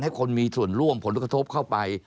คนมีส่วนร่วมผลกระทบเข้าไป